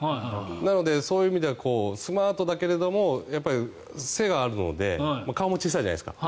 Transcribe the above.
なので、そういう意味ではスマートだけど背があるので顔も小さいじゃないですか。